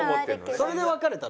それで別れたの？